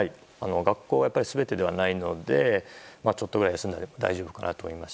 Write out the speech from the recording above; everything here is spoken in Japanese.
学校が全てではないのでちょっとぐらい休んでも大丈夫かなと思います。